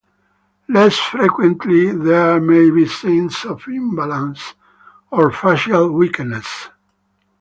Less frequently, there may be signs of imbalance or facial weakness.